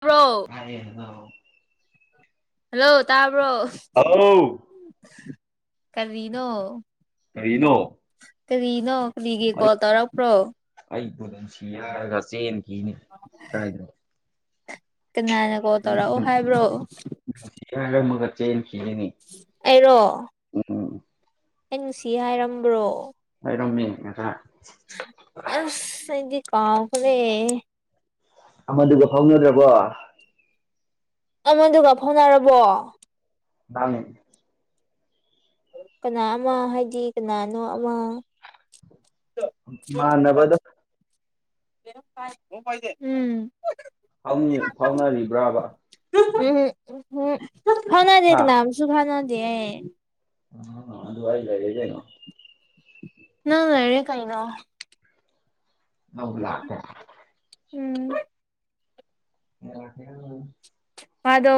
ꯇꯥꯕ꯭ꯔꯣ ꯉꯥꯡꯉꯦꯅ ꯉꯥꯡꯑꫭ ꯍꯜꯂꯣ ꯇꯥꯕ꯭ꯔꯣ ꯑꯥꯎ ꯀꯔꯤꯅꯣ ꯀꯔꯤꯅꯣ꯫ ꯀꯔꯤꯅꯣ ꯀꯔꯤꯒꯤ ꯑꯩ ꯀꯣꯜ ꯇꯧꯔꯛꯄ꯭ꯔꯣ ꯑꯩꯕꯨ ꯅꯨꯡꯁꯤ ꯌꯥꯔꯒ ꯆꯦꯟꯈꯤꯅꯤ ꯀꯥꯏꯗꯅꫭ ꯀꯅꯥꯅ ꯀꯣꯜ ꯇꯧꯔꯛ ꯑꯣ ꯍꯥꯏꯕ꯭ꯔꯣ꯫ ꯁꯤꯒ ꯍꯥꯏꯔꯝꯃꯒ ꯆꯦꯟꯈꯤꯌꯦꯅꯦ ꯑꯩꯔꯣ ꯑꯩ ꯅꯨꯡꯁꯤ ꯍꯥꯏꯔꯝꯕ꯭ꯔꯣ [unintelligible] ꯑꯁ꯭ꯁ ꯑꯩꯗꯤ ꯀꯥꯎꯈꯔꯦ ꯑꯃꯗꯨꯒ ꯐꯥꯎꯅꯔꯕꯣ ꯑꯃꯗꯨꯒ ꯐꯥꯎꯅꯔꯕꯣ [unintelligible] ꯀꯅꯥ ꯑꯃ ꯍꯥꯏꯗꯤ ꯀꯅꯥꯅꯣ ꯑꯃ ꯏꯃꯥꯟꯅꯕꯗꯣ ꯎꯝ ꯐꯥꯎꯅꯔꯤꯕ꯭ꯔꯕ ꯎꯝ--ꯎꯝ--ꯐꯥꯎꯅꯗꯦ ꯍꯥ ꯀꯅꯕꯨꯁꯨ ꯊꯥꯅꯗꯤꯌꯦ inaudible ꯑꯗꯨ ꯑꯩ ꯂꯩꯔꯦ ꯀꯩꯅꯣ ꯅꯪ ꯂꯩꯔꯦ ꯀꯩꯅꫭ [unintelligible] ꯎꯝ [unintelligible] ꯋꯥꯥꯗꯣ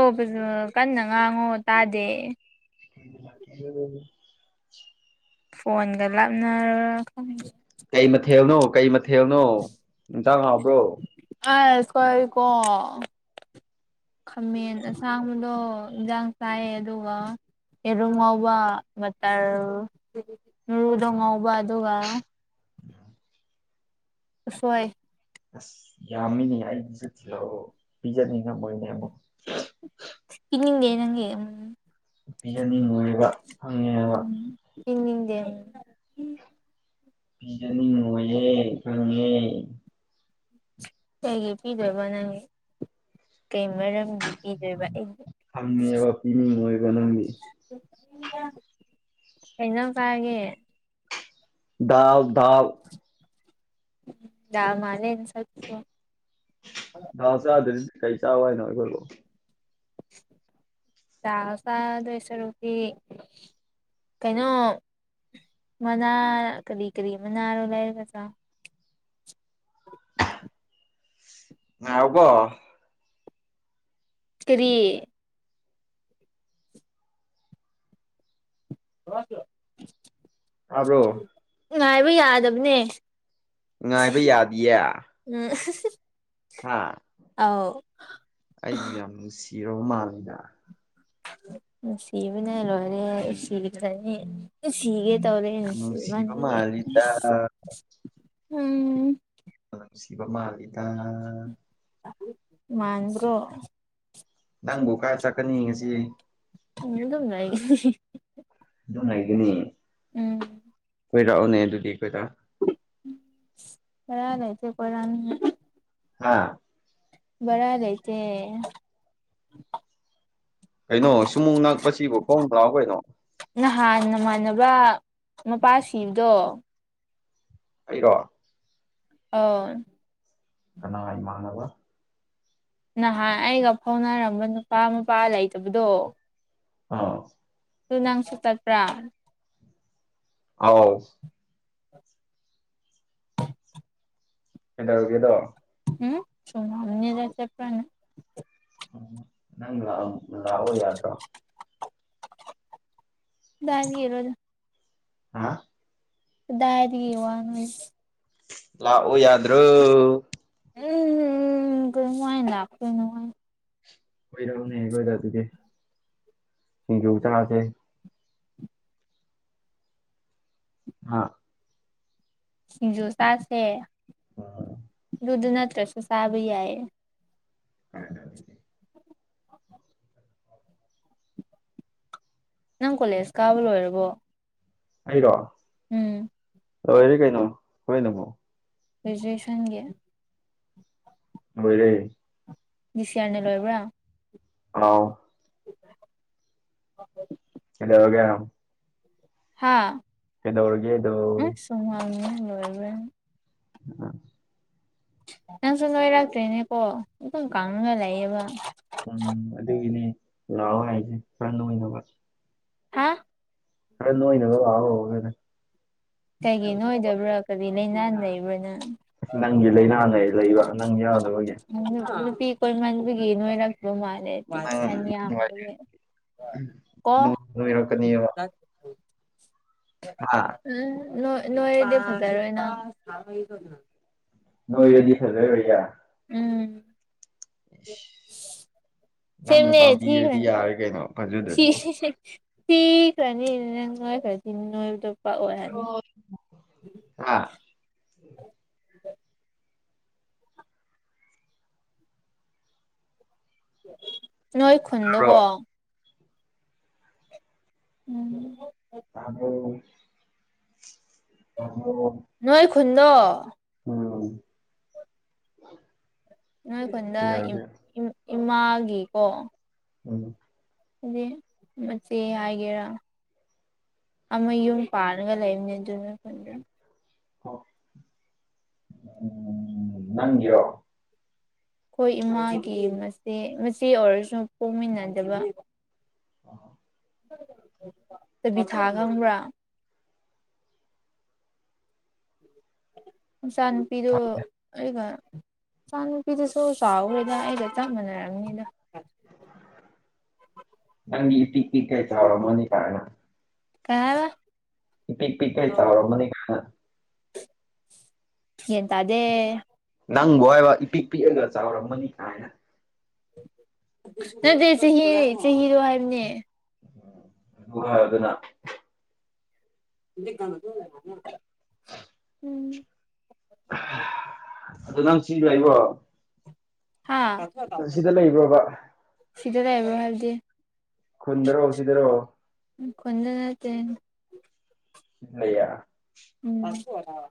ꯀꯟꯅ ꯉꯥꯡꯉꯣ ꯇꯥꯗꯦ꯫ [unintelligible] ꯐꯣꯟꯒ ꯂꯥꯞꯅꯔ ꯀꯩ ꯃꯊꯦꯜꯅꯣ ꯀꯩ ꯃꯊꯦꯜꯅꯣ ꯍꯤꯟꯖꯥꯛ ꯍꯥꯎꯕ꯭ꯔꯣ꯫ ꯑꯁ ꯀꯣꯏ ꯀꯣ ꯈꯥꯃꯦꯟ ꯑꯁꯥꯡꯕꯗꯣ ꯌꯦꯟꯖꯥꯡ ꯆꯥꯏꯌꯦ ꯑꯗꯨꯒ ꯌꯦꯔꯨꯝ ꯉꯧꯕ ꯃꯠꯇꯔ ꯉꯔꯨꯗꯣ ꯉꯧꯕ ꯑꯗꯨꯒ ꯎꯝ ꯎꯁꯣꯏ ꯑꯁ ꯌꯥꯝꯃꯤꯅꯦ ꯑꯩꯒꯤꯁꯨ ꯊꯤꯜꯂꯛꯑꯣ ꯄꯤꯖꯅꯤꯡꯉꯝꯃꯣꯏꯅꯦ ꯑꯃꯨꯛ unintelligible ꯄꯤꯖꯅꯤꯡꯉꯣꯏꯕ ꯈꯪꯉꯦꯕ꯫ inaudible ꯄꯤꯖꯅꯤꯡꯉꯣꯏꯌꯦ ꯈꯪꯉꯦ꯫ ꯀꯩꯒꯤ ꯄꯤꯗꯣꯏꯕ ꯅꯪꯒꯤ ꯀꯩ ꯃꯔꯝꯒꯤ꯫ ꯄꯤꯗꯣꯏꯕ ꯑꯩꯒꯤ ꯊꯝꯉꯦꯕ ꯄꯅꯤꯡ ꯉꯣꯏꯕ ꯅꯪꯗꯤ ꯀꯩ ꯏꯟꯖꯥꯡ ꯆꯔꯒꯦ ꯗꯥꯜ ꯗꯥꯜ ꯗꯥꯜ ꯃꯥꯜꯂꯦ ꯅꯥꯁꯛꯇ‌ꯣ ꯥ ꯊꯥꯎ ꯆꯗꯗꯤ ꯀꯩ ꯆꯥꯎ ꯍꯥꯏꯅꯣ ꯑꯩꯈꯣꯏꯕꯨ ꯗꯥꯜ ꯆꯥꯗꯣꯏ ꯁꯥꯔꯨꯛꯇꯤ ꯀꯩꯅꯣ ꯃꯅꯥ ꯀꯔꯤ ꯀꯔꯤ ꯃꯅꯥꯔꯣ ꯂꯩꯔꯒ ꯆꯥꯎ ꯥꯉꯥꯏꯌꯣꯀꯣ꯫ ꯀꯔꯤ [unintelligible] ꯇꯕ꯭ꯔꯣ ꯉꯥꯏꯕ ꯌꯥꯗꯕꯅꯦ꯫ ꯉꯥꯏꯕ ꯌꯥꯗꯤꯌꯦ ꯎꯝ ꯍꯥ ꯑꯧ ꯑꯩꯕꯨ ꯌꯥꯝ ꯅꯨꯡꯁꯤꯔꯕ ꯃꯥꯜꯂꯤꯗ꯫ ꯅꯨꯡꯁꯤꯕꯅ ꯂꯣꯏꯔ‌ꯦ ꯅꯨꯡꯁꯤꯒꯅꯤ ꯁꯤꯒꯦ ꯇꯧꯔꯦ ꯌꯥꯝ ꯉꯁꯤ ꯅꯨꯡꯁꯤꯕ ꯃꯥꯜꯂꯤꯗ ꯏꯕꯥꯟꯅꯤꯗꯤ--ꯎꯝ꯫ ꯅꯨꯡꯁꯤꯕ ꯃꯥꯜꯂꯤꯗ ꯃꯥꯟꯕꯔꯣ ꯅꯪꯕꯨ ꯀꯥꯏ ꯆꯠꯀꯅꯤ ꯉꯁꯤ ꯐꯃꯨꯡꯗ ꯑꯗꯨꯝ ꯂꯩ ꯑꯗꯨꯝ ꯂꯩꯥꯒꯅꯤ ꯎꯝ ꯀꯣꯏꯔꯛꯑꯣꯅꯦ ꯑꯗꯨꯗꯤ ꯑꯩꯈꯣꯏꯗ ꯕꯔꯥ ꯂꯩꯇꯦ ꯀꯣꯏꯔꯛꯅꯤꯉꯥꯏ꯫ ꯍꯥꯥ ꯚꯥꯔ ꯂꯩꯇꯦ ꯀꯩꯅꯣ ꯁꯨꯃꯨꯡ ꯅꯛꯄꯁꯤꯕꯨ ꯈ‌ꯣꯡꯅ ꯂꯥꯛꯑꯣ ꯀꯩꯅꯣ ꯅꯍꯥꯟ ꯅꯃꯥꯟꯅꯕ ꯃꯄꯥ ꯁꯤꯕꯗꯣ ꯑꯩꯔꯣ [unintelligible] ꯀꯅꯥꯏ ꯏꯃꯥꯟꯅꯕ ꯅꯍꯥꯟ ꯑꯩꯒ ꯐꯥꯎꯅꯔꯝꯕ ꯅꯨꯄꯥ ꯃꯄꯥ ꯂꯩꯇꯕꯗꯣ ꯑꯥ ꯑꯗ‌ꯣ ꯅꯪꯁꯨ ꯇꯠꯄ꯭ꯔꯥ ꯑꯥꯎ ꯀꯩꯗꯧꯔꯒꯦꯗꯣ ꯍꯝ ꯁꯨꯝ ꯍꯪꯕꯅꯤꯗ ꯆꯠꯄ꯭ꯔꯅ꯫ ꯅꯪ ꯂꯥꯛ ꯂꯥꯛꯑꯣ ꯌꯥꯗ꯭ꯔꯣ ꯀꯗꯥꯏꯗꯒꯤꯔꯣꯗ- ꯍꯥ ꯀꯗꯥꯏꯗꯒꯤ ꯋꯥꯅꯣ ꯍꯦ ꯂꯥꯛꯑꫭ ꯌꯥꯗ꯭ꯔꯣ ꯎꯝ--ꯎꯎꯝ--ꯀꯔꯝꯃꯥꯏ ꯂꯥꯛꯇꯣꯏꯅꯣ ꯀ‌ꯣꯏꯔꯛꯎꯅ‌ꯦ ꯑꯩꯈ‌ꯣꯏꯗ ꯑꯗꯨꯗꯤ ꯁꯤꯡꯖꯨ ꯆꯥꯁ‌ꯦ ꯍꯥ ꯁꯤꯡꯖꯨ ꯁꯥꯁꯦ ꯍ‌ꯣꯏ ꯍ‌ꯣꯏ ꯑꯗꯨꯗꯨ ꯅꯠꯇ꯭ꯔꯁꯨ ꯆꯥꯕ ꯌꯥꯏꯌꯦ꯫ [unintelligible] ꯅꯪ ꯀꯣꯂꯦꯖ ꯀꯥꯕ ꯂꯣꯏꯔꯕꯣ ꯑꯩꯔꯣ ꯎꯝ ꯂꯣꯏꯔꯦ ꯀꯩꯅꯣ ꯍꯣꯔꯦꯟ ꯑꯃꯨꯛ ꯒ꯭ꯔꯦꯖꯨꯌꯦꯁꯟꯒꯤ ꯂꯣꯏꯔꯦ ꯖꯤꯁꯤꯌꯥꯔꯅꯦ ꯂꯣꯏꯕ꯭ꯔꯥ ꯑꯥꯎ [inaudible] ꯀꯩꯗꯧꯔꯒꯦ ꯍꯥꯥ ꯀꯩꯗꯧꯔꯒꯦ ꯑꯗꯨ ꯍꯨꯃꯥꯡꯅ ꯂꯣꯏꯔꯦ [unintelligible] ꯅꯪꯁꯨ ꯅꯣꯏꯔꯛꯇ꯭ꯔꯤꯅꯦꯀꯣ ꯑꯗꯨꯝ ꯀꯥꯡꯉꯒ ꯂꯩꯥꯌꯦꯕ ꯎꯝ ꯑꯗꯨꯒꯤꯅꯤ ꯂꯥꯛꯑꯣ ꯍꯥꯏꯁꯦ ꯈꯔ ꯅꯣꯅꯕ ꯍꯥ ꯈꯔ ꯅꯣꯏꯅꯕ ꯂꯥꯛꯑꯣ ꯀꯩꯒꯤ ꯅꯣꯏꯗꯕ꯭ꯔꯥ ꯀꯔꯤ ꯂꯩꯅꯥ ꯂꯩꯕ꯭ꯔꯥ ꯅꯪ ꯅꯪꯒꯤ ꯂꯥꯏꯅꯥ ꯂꯩꯕ ꯅꯪ ꯌꯥꯎꯗꯕꯒꯤ ꯅꯨ ꯅꯨꯄꯤ ꯀꯣꯏꯃꯥꯟꯕꯒꯤ ꯅꯣꯏꯔꯥꯛꯇꯕ ꯃꯥꯜ [unintelligible] ꯀꯣ ꯅꯪ ꯅꯣꯏꯔꯛꯀꯅꯦꯕ ꯍꯥ ꯎꯝ ꯅꯣꯏ ꯅꯣꯏꯔꯗꯤ ꯐꯖꯔꯣꯏꯅ ꯅꯣꯏꯔꯗꯤ ꯐꯖꯥꯔꯣꯏꯌꯦ ꯎꯝ [inaudible] ꯅꯪꯅ ꯁꯦꯝꯅꯦ ꯄꯥꯝꯕꯤꯔꯗꯤ ꯊꯤꯈ꯭ꯔꯅꯤ ꯌꯥꯔꯦ ꯀꯩꯅꯣ ꯁꯤ ꯐꯖꯗ꯭ꯔꯁꯨ ꯊꯤꯈ꯭ꯔꯅꯤ ꯅꯪ ꯅꯣꯏꯈ꯭ꯔꯗꯤ ꯅꯣꯏꯕꯗꯣ ꯄꯛꯑꯣꯏ ꯍꯥꯏꯕꯅꯦ ꯑꯥ ꯅꯣꯏ ꯈꯨꯟꯗꯨꯀꯣ ꯎꯝ ꯇꯕ꯭ꯔꯣ ꯇꯕ꯭ꯔꯣ ꯅꯣꯏ ꯈꯨꯟꯗꯣ ꯎꯝ ꯅꯣꯏ ꯈꯨꯟꯗ ꯌꯥꯒꯦ ꯏꯝ ꯏꯃꯥꯒꯤꯀꯣ [unintelligible] ꯗꯤ ꯃꯆꯦ ꯍꯥꯏꯒꯦꯔꯥ ꯑꯃ ꯌꯨꯝ ꯄꯥꯔꯒ ꯂꯩꯕꯅꯦ ꯑꯗꯨ ꯅꯣꯏ ꯈꯨꯟꯗ ꯅꯪꯒꯤꯔꯣ ꯑꯩꯈꯣꯏ ꯏꯃꯥꯒꯤ ꯃꯆꯦ ꯃꯆꯦ ꯑꯣꯏꯔꯁꯨ ꯄꯣꯛꯃꯤꯟꯅꯗꯕ [inaudible] ꯇꯥꯕꯤꯊꯥ ꯈꯪꯕ꯭ꯔꯥ ꯃꯆꯥ ꯅꯨꯨꯄꯤꯗꯣ ꯑꯩꯒ ꯏꯆꯥ ꯅꯨꯨꯄꯤꯗꯨꯁꯨ ꯆꯥꯎꯔꯦꯗ ꯑꯩꯒ ꯆꯞ ꯃꯥꯟꯅꯔꯕꯅꯤꯗ ꯅꯪꯗꯤ ꯏꯄꯤꯛ ꯄꯤꯛꯈꯩ ꯆꯥꯎꯔꯝꯃꯅꯤ ꯀꯥꯏꯅ ꯀꯩ ꯍꯥꯏꯕ ꯏꯄꯤꯛ ꯄꯤꯛꯈꯩ ꯆꯥꯎꯔꯝꯅꯤ ꯀꯥꯏꯅ ꯌꯦꯟ ꯇꯥꯗꯦ ꯅꯪꯕꯨ ꯍꯥꯏꯕ ꯏꯄꯤꯛ ꯄꯤꯛꯑꯒ ꯆꯥꯎꯔꯝꯃꯅꯤ ꯀꯥꯏꯅ ꯅꯠꯇꯦ ꯆꯍꯤ ꯆꯍꯤꯗꯣ ꯍꯥꯏꯕꯅꯦ ꯎ ꯑꯗꯨꯒ ꯑꯗꯨꯅ ꯗꯤꯀꯅ [inaudible] ꯑꯗꯨ ꯅꯪ ꯁꯤꯁ ꯍꯥꯏꯕꯣ ꯍꯥꯥ ꯁꯤꯗ ꯂꯩꯕ꯭ꯔꯣꯕ ꯁꯤꯗ ꯇꯥꯏ ꯑꯦꯕꯚꯥꯗꯦ ꯈꯨꯨꯟꯗꯔꯣ ꯁꯤꯗꯔꯣ ꯎ ꯈꯟꯗꯅꯠꯇꯦ ꯏꯌꯥ ꯎꯝ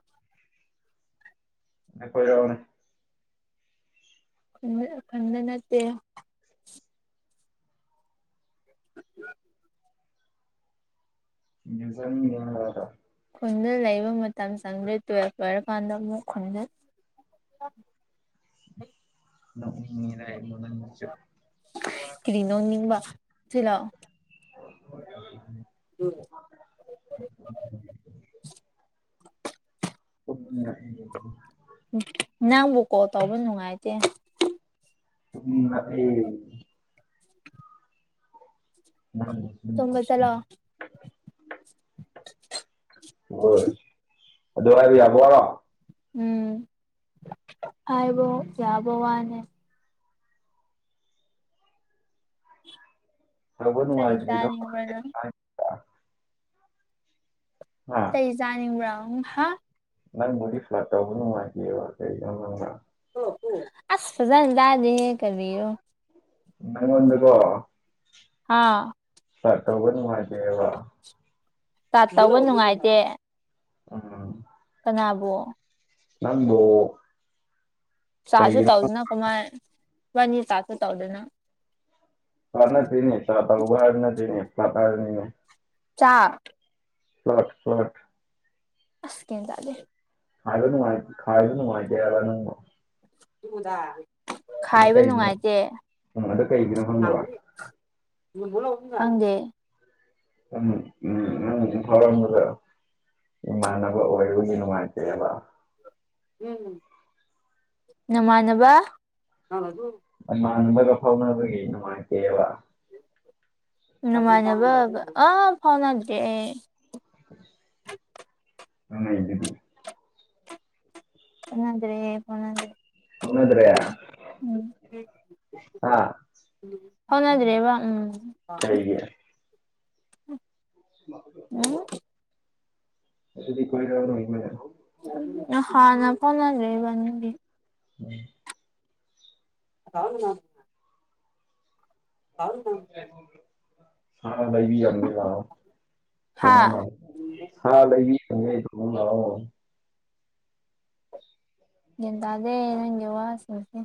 ꯅꯈꯣꯏ ꯌꯥꯎꯅꯤ ꯈꯟ ꯈꯟꯗꯅꯥꯠꯇ [unintelligible] ꯈꯨꯟꯗ ꯂꯩꯕ ꯃꯇꯝ ꯆꯪꯗ꯭ꯔꯦ ꯇꯨꯌꯦꯦꯜꯐ ꯂꯣꯏꯔꯀꯥꯟꯗ ꯑꯃꯨꯛ ꯈꯨꯟꯗ [unintelligible] ꯀꯔꯤꯅꯣ ꯅꯤꯡꯕ ꯁꯤ ꯂꯥꯛꯑꯣ ꯎꯝ [unintelligible] ꯅꯪꯕꯨ ꯀꯣꯜ ꯇꯧꯕꯁꯨ ꯅꯨꯡꯉꯥꯏꯇꯦ [unintelligible] ꯎꯝ ꯇꯨꯡꯒ ꯆꯂꯣ ꯍꯣꯏ ꯑꯗꯨ ꯍꯥꯏꯗꯤ ꯌꯥꯕꯔꯣ ꯎꯝ ꯍꯥꯏꯥꯏꯕꯣ ꯌꯥꯕꯣ ꯋꯥꯅꯦ ꯇꯧꯕ ꯁꯔꯤ ꯅꯨꯡꯉꯥꯏꯇ꯭ꯔꯤꯗꯣ ꯆꯅꯤꯡꯅ ꯑ ꯀꯩꯖꯥꯅꯤꯡꯕ꯭ꯔꯥ ꯍꯥ ꯅꯪ ꯗꯤ ꯐ꯭ꯂ ꯇꯧꯕꯅ ꯃꯥꯦ ꯋꯥꯪ ꯑꯁ ꯐꯖꯜ ꯏꯗꯥꯖꯍꯦ ꯀꯔꯤꯌꯣ ꯅꯉꯗꯀꯣ ꯍꯥꯥ ꯁꯥꯇꯧꯕꯅꯤ ꯃꯥꯖꯦꯕ ꯇꯥ ꯇꯧꯕ ꯅꯨꯡꯉꯥꯏꯇꯦ ꯎꯝ ꯀꯅꯥꯕꯣ ꯅꯪꯒꯣ ꯆꯥꯁꯨ ꯇꯧꯗꯅꯀꯣꯃ ꯃꯥꯅꯤ ꯆꯥꯁꯨ ꯇꯧꯗꯅ ꯆꯥꯄ ꯎꯕꯥꯔ ꯅꯅꯅꯦ ꯄꯥꯄꯥꯔꯅꯤ ꯆꯥꯛ ꯄꯥꯠ ꯄꯥꯠ ꯑꯁ ꯀ ꯇꯗꯦ ꯀꯥꯔ ꯀꯥꯔꯅꯅꯨꯡ ꯃꯥꯦꯔꯅ ꯑꯗꯨ ꯈꯥꯏꯕ ꯀꯩꯒꯤꯅꯣ ꯅꯨꯡꯉꯥꯏꯇꯦ ꯎꯝ ꯑꯗꯣ ꯀꯩꯒꯤꯅꯣ ꯈꯪꯕ꯭ꯔ ꯈꯪꯗꯦ ꯎꯝ ꯎꯝ ꯅꯪ ꯏꯝꯐꯥꯜ ꯔꯣꯝꯗꯔꯥ ꯏꯃꯥꯟꯅꯕ ꯑꯣꯏꯕꯒꯤ ꯅꯨꯡꯉꯥꯏꯇꯦꯕ ꯅꯃꯥꯟꯅꯕ ꯃꯥꯡꯕꯒ ꯐꯥꯎꯅꯅꯕꯒꯤ ꯅꯨꯅꯨꯡꯉꯥꯏꯇꯦꯕ ꯅꯨꯡꯉꯥꯏꯅꯕ ꯑꯥ ꯐꯥꯎꯅꯗ꯭ꯔꯦ ꯑꯅꯩꯗꯗꯤ ꯐꯧꯅꯗ꯭ꯔꯦ ꯐꯧꯅꯗ꯭ꯔꯦ ꯐꯥꯎꯅꯗ꯭ꯔꯦ ꯍꯥ ꯐꯥꯎꯅꯗ꯭ꯔꯦꯕ ꯎꯝ ꯂꯩꯩꯒꯦ ꯃꯥ [unintelligible] [unintelligible] ꯑꯁꯤꯗꯤ ꯀꯣꯏꯔꯥꯎꯅꯩꯅꯦ ꯅꯍꯥꯟꯅ ꯄꯅ ꯂꯩꯕꯅꯤꯡꯗꯤ ꯎꯝ [unintelligible] ꯑꯪ ꯑꯥꯑꯥ ꯂꯩꯕꯤꯔꯝꯒꯦ ꯂꯥꯎ ꯍꯥ [unintelligible] ꯂꯥꯎ ꯍꯥ ꯂꯩꯕꯤꯔꯝꯒꯦ [unintelligible] ꯂꯥꯎ ꯒ꯭ꯌꯥꯟ ꯇꯥꯗꯦ ꯅꯪꯒꯤ ꯋꯥꯁꯤꯡꯁꯤ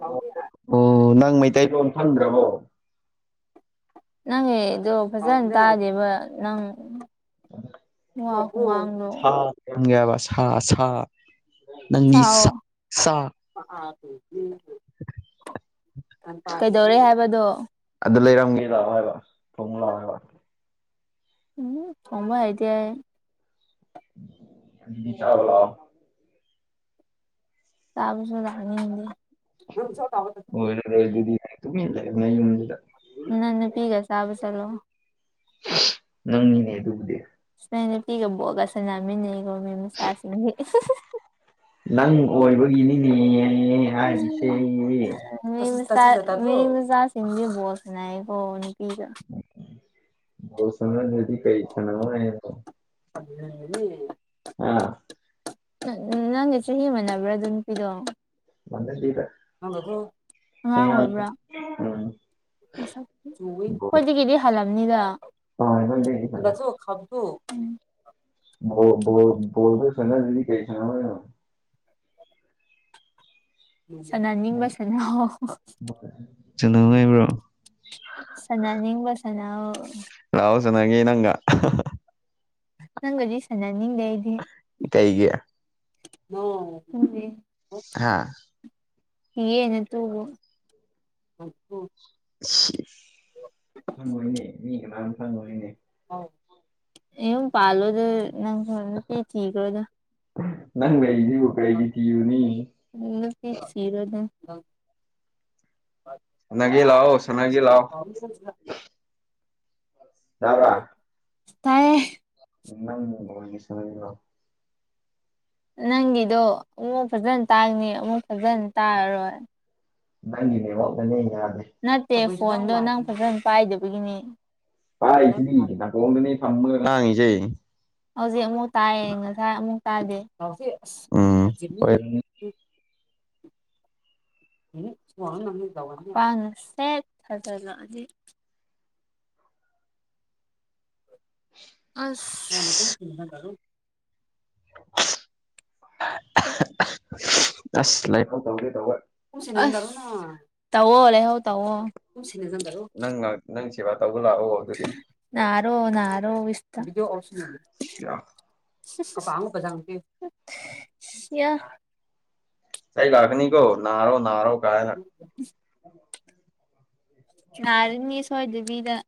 [unintelligible] ꯑꯣ ꯅꯪ ꯃꯩꯇꯩ ꯂꯣꯟ ꯐꯪꯗ꯭ꯔꯕꯣ ꯅꯪꯒꯤꯗꫭ ꯐꯖꯟ ꯇꯥꯗꯦꯕ ꯅꯪ ꯋꯥ ꯈꯨꯉꯥꯡꯗꯣ [unintelligible] ꯁꯥ ꯁꯥ ꯅꯪꯒꯤ ꯁꯥ ꯁꯑꯣ ꯁꯥ ꯀꯩꯗꯧꯔꯦ ꯍꯥꯏꯕꯗꯣ ꯑꯗꯨ ꯂꯩꯔꯝꯒꯦ ꯂꯥꯛꯑꯣ ꯍꯥꯏꯕ ꯊꯣꯡꯉꯨ ꯂꯥꯛꯑꯣ ꯍꯥꯏꯕ ꯎꯝ ꯉꯝꯃꯣꯏ ꯑꯩꯗꯤ ꯑꯗꯨꯗꯤ ꯆꯥꯔꯣꯂꯥꯎ ꯆꯥꯕꯁꯨ ꯂꯥꯛꯅꯤꯡꯗꯤ [unintelligible] ꯑꯣꯏꯔꯔꫭꯏ ꯑꯗꯨꯗꯤ ꯇꯨꯃꯤꯟ ꯂꯩꯌꫭ ꯅꯌꯨꯝꯗꯨꯗ ꯅꯪ ꯅꯨꯄꯤꯒ ꯆꯥꯕ ꯆꯠꯂꯣ ꯅꯪꯅꯤꯅꯦ ꯑꯗꯨꯕꯨꯗꯤ ꯅꫭꯏ ꯅꯨꯄꯤꯒ ꯕꫭꯜꯒ ꯁꯥꯟꯅꯃꯤꯟꯅꯩꯀꫭ ꯃꯤ ꯃꯥꯆꯥ ꯁꯤꯡꯗꯤ [unintelligible] ꯅꯪ ꯑꯣꯏꯕꯒꯤꯅꯤꯅꯦ ꯍꯥꯏꯔꯤꯁꯦ ꯃꯤ ꯃꯆꯥ ꯃꯤ ꯃꯆꯥꯁꯤꯡꯗꯤ ꯕꫭꯜ ꯁꯥꯅꯩꯀꫭ ꯅꯨꯄꯤꯒ ꯕꯣꯜ ꯁꯥꯟꯅꯗ꯭ꯔꯗꯤ ꯀꯩ ꯁꯥꯟꯅꯧ ꯍꯥꯏꯅꯣ [unintelligible] ꯑ ꯅ ꯅꯪꯒ ꯆꯍꯤ ꯃꯥꯅꯕ꯭ꯔꯥ ꯑꯗꯨ ꯅꯨꯄꯤꯗꯣ ꯃꯥꯟꯅꯗꯦꯗ [unintelligible] ꯑꯉꯥꯡ ꯑꯉꯥꯡꯅꯦ ꯑꯣꯏꯕ꯭ꯔꯥ ꯎꯝ [unintelligible] ꯕꯣꯜ ꯑꯩꯈꯣꯏꯗꯒꯤꯗꯤ ꯍꯜꯂꯝꯅꯤꯗ ꯍꯣꯏ ꯅꯣꯏꯗꯩꯗꯤ ꯐꯅ [unintelligible] ꯎꯝ ꯕꯣ ꯕꯣꯜ ꯕꯣꯜꯗꯣ ꯁꯥꯟꯅꯗ꯭ꯔꯗꯤ ꯀꯩ ꯁꯥꯟꯅꯧ ꯍꯥꯏꯅꯣ ꯁꯥꯟꯅꯅꯤꯡꯕ ꯁꯥꯟꯅꯧ ꯁꯥꯟꯅꯧ ꯍꯥꯏꯕ꯭ꯔꯣ ꯁꯟꯅꯅꯤꯡꯕ ꯁꯟꯅꯧ ꯂꯥꯋꯣ ꯁꯅꯥꯒꯦ ꯅꯪꯒ ꯅꯪꯒꯗꯤ ꯁꯟꯅꯅꯤꯡꯗꯦ ꯀꯩꯒꯤ [unintelligible] ꯍꯥꯥ ꯌꯦꯅꯦ ꯇꯨꯕꯨ [unintelligible] ꯈꯪꯉꯣꯏꯅꯦ ꯃꯤ ꯀꯅꯥꯝ ꯈꯪꯉꯣꯏꯅꯦ ꯌꯨꯝ ꯄꯥꯜꯂꯣꯗ ꯅꯪ ꯁꯨ ꯅꯨꯄꯤ ꯊꯤꯈ꯭ꯔꯣꯗ ꯅꯪ ꯂꯩꯖꯤꯕꯨ ꯀꯩꯒꯤ ꯀꯤꯔꯨꯅꯤ ꯅꯨꯄꯤ ꯊꯤꯔ‌ꯣꯅ ꯁꯅꯒꯦ ꯂꯥꯑꫭ ꯁꯅꯒꯦ ꯂꯥꯑꫭ [inaudible] ꯇꯥꯕ꯭ꯔꯥ ꯇꯥꯏ ꯅꯣꯏꯒꯤ ꯁ [unintelligible] ꯅꯪꯒꯤꯗꯣ ꯑꯃꯨꯛ ꯐꯖꯅ ꯇꯥꯡꯅꯤ ꯑꯃꯨꯛ ꯐꯖꯅ ꯇꯥꯔꯔꯣꯏ ꯅꯪꯒꯤ ꯅꯦꯇꯋꯥꯛ ꯅꯅꯦ ꯌꯥꯗꯦ ꯅꯠꯇꯦ ꯐꯣꯟꯗꯣ ꯅꯪ ꯐꯖꯅ ꯄꯥꯏꯗꯕꯒꯤꯅꯤ ꯄꯥꯏꯔꯤꯁꯤꯗꯤ ꯅꯥꯀꫭꯡꯗꯅꯦ ꯊꯝꯃꯥꯒ ꯉꯥꯡꯏꯖꯦ ꯍꯧꯖꯤꯛ ꯑꯃꯨꯛ ꯇꯥꯏꯌꯦ ꯉꯁꯥꯏ ꯑꯃꯨꯛ ꯇꯥꯗꯦ [inaudible] ꯎꯝ ꯑꯣꯏꯔꯝꯅꯤ ꯄꯥꯡꯉ ꯅ ꯁꯦꯠ ꯊꯥꯖꯜꯂꯛꯑꯗꯤ ꯑꯁꯁ꯭ꯁ ꯑꯁ ꯑꯁ ꯂꯩꯥꯏꯍꯧ ꯇꯧꯒꯦ ꯇꯧꯋ‌ꯦ ꯑꯁ ꯇꯧꯑ‍ꯣ ꯂꯥꯏꯍꯧ ꯇꯧꯑ‌ꯣ ꯅꯪꯂꯛ ꯅꯪ ꯁꯦꯕꯥ ꯇꯧꯕ ꯂꯥꯛꯑꯣ ꯑꯗꯨꯗꯤ ꯅꯔꯣ ꯅꯔꯣ ꯋꯤꯁꯇ ꯁꯤ ꯑ [unintelligible] ꯌ ꯆꯩ ꯂꯥꯛꯀꯅꯤ ꯀꯣ ꯅꯔꯣ ꯅꯔꯣ ꯀꯥꯏ inaudible ꯅꯔꯥꯅꯤ ꯁꫭꯏꯗꯕꯤꯗ